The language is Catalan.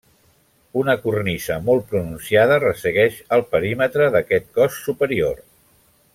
Una cornisa molt pronunciada ressegueix el perímetre d'aquest cos superior.